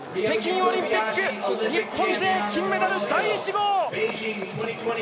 北京オリンピック日本勢金メダル第１号！